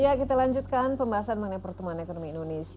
ya kita lanjutkan pembahasan mengenai pertumbuhan ekonomi indonesia